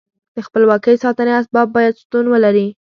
د خپلواکۍ ساتنې اسباب باید شتون ولري.